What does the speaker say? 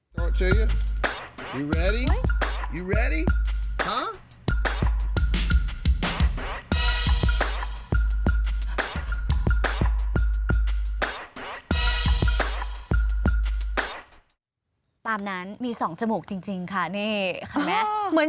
ตามนั้นมีสองจมูกจริงค่ะนี่ค่ะแม่